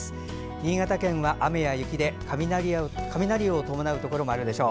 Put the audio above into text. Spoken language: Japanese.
新潟県は雨や雪で雷を伴うところもあるでしょう。